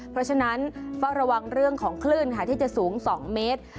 เพราะฉะนั้นเฝ้าระวังเรื่องของคลื่นค่ะที่จะสูง๒เมตร